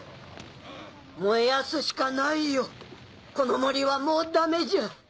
燃やすしかないよこの森はもうダメじゃ。